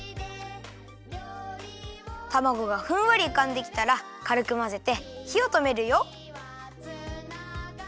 たまごがふんわりうかんできたらかるくまぜてひをとめるよ。